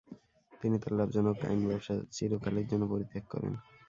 তিনি তার লাভজনক আইনব্যবসা চিরকালের জন্য পরিত্যাগ করেন।